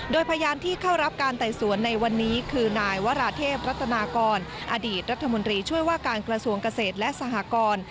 โดยพยานที่เข้ารับการไต่สวนในวันนี้คือนายวราเทพรัตนากรอดีตรัฐมนตรีช่วยว่าการกระทรวงเกษตรและสหกร